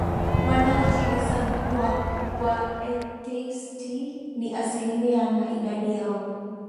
wanaojihesabu kuwa Waatheisti ni asilimia na idadi yao